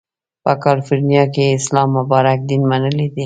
په کالیفورنیا کې یې اسلام مبارک دین منلی دی.